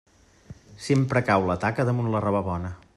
Sempre cau la taca damunt la roba bona.